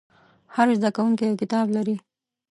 هر زده کوونکی یو کتاب لري.